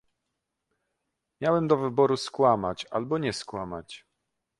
"Miałem do wyboru skłamać albo nie skłamać."